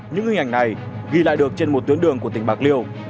những hình ảnh này ghi lại được trên một tuyến đường của tỉnh bạc liêu